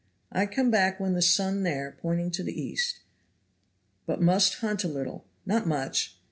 "I come back when the sun there," pointing to the east, "but must hunt a little, not much.